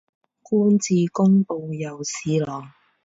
官至工部右侍郎。